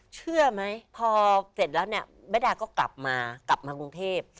เชื่อไหมพอเสร็จแล้วเนี่ยแม่ดาก็กลับมากลับมากรุงเทพ